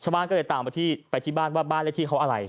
ชาวบ้านก็เลยตามไปที่บ้านว่าบ้านเลขที่เขาอะไร